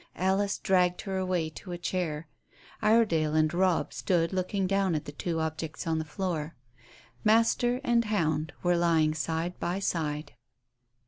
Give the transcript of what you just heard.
Alice dragged her away to a chair. Iredale and Robb stood looking down at the two objects on the floor. Master and hound were lying side by side.